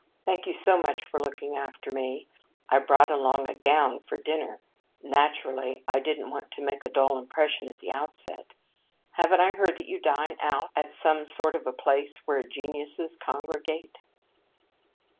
Thank you so much for looking after me. I brought along a gown for dinner. Naturally, I didn't want to make a dull impression at the outset. Haven't I heard that you dine out at some sort of a place where geniuses congregate?"